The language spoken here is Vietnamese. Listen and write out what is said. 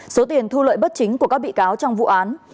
số tiền thu lợi bất chính của các bị cáo trong vụ án